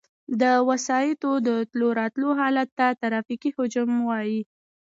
د وسایطو د تلو راتلو حالت ته ترافیکي حجم وایي